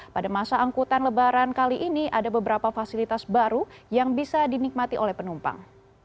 pada masa angkutan lebaran kali ini ada beberapa fasilitas baru yang bisa dinikmati oleh penumpang